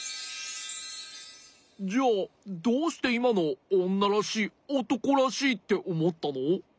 じゃあどうしていまのをおんならしいおとこらしいっておもったの？